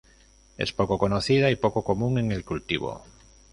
Es poco conocida y poco común en el cultivo.